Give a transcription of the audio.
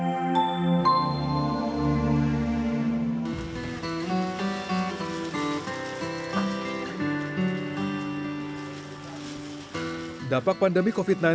dapat pandemi covid sembilan belas berimbas dalam kondisi pandemi covid sembilan belas